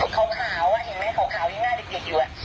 ข่าวข่าวอ่ะเห็นไหมข่าวข่าวที่หน้าเด็กอยู่อ่ะ